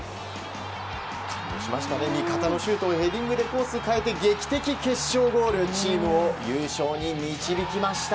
味方のシュートをヘディングでコースを変えて劇的決勝ゴールでチームを優勝に導きました。